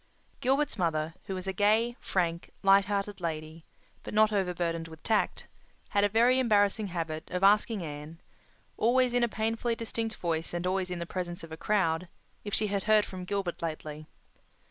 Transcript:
Gilbert's mother, who was a gay, frank, light hearted lady, but not overburdened with tact, had a very embarrassing habit of asking Anne, always in a painfully distinct voice and always in the presence of a crowd, if she had heard from Gilbert lately.